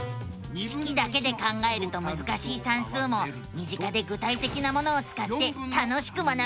式だけで考えるとむずかしい算数も身近で具体的なものをつかって楽しく学べるのさ！